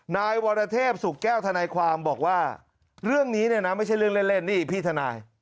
นายวรเทพสุขแก้วทนายความบอกว่าเรื่องนี้เนี่ยนะไม่ใช่เรื่องเล่นนี่พี่ทนาย